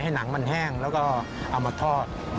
หนังมันแห้งแล้วก็เอามาทอด